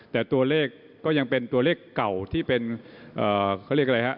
แต่ตัวเลขก็ยังเป็นตัวเลขเก่าที่เป็นเขาเรียกอะไรฮะ